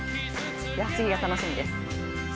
次が楽しみです。